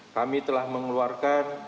kami telah mengeluarkan